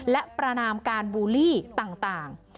และประนามการบูลลี่ต่าง